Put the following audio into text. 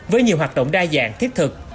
với nhiều hoạt động đa dạng thiết thực